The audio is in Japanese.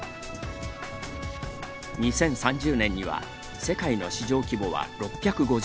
２０３０年には世界の市場規模は６５０倍。